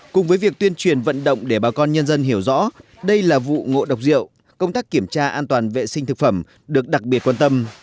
cùng với việc tuyên truyền vận động để bà con nhân dân hiểu rõ đây là vụ ngộ độc rượu công tác kiểm tra an toàn vệ sinh thực phẩm được đặc biệt quan tâm